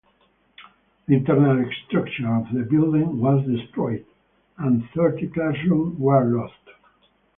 The internal structure of the building was destroyed and thirty classrooms were lost.